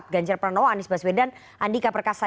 ganjar pranowo anies baswedan andika perkasa